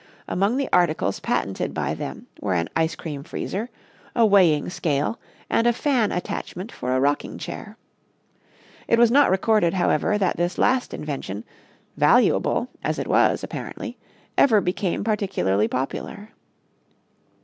Among the articles patented by them were an ice cream freezer, a weighing scale and a fan attachment for a rocking chair. It was not recorded, however, that this last invention, valuable as it was apparently, ever became particularly popular.